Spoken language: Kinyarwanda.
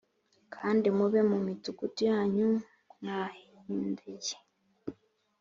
kandi mube mu midugudu yanyu mwahind ye